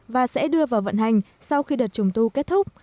và sẽ đưa vào vận hành sau khi đợt trùng tu kết thúc